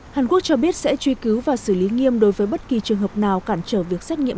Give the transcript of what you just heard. hàn quốc cho biết sẽ truy cứu và xử lý nghiêm đối với bất kỳ trường hợp nào cản trở việc xét nghiệm